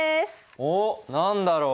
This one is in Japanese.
おお何だろう？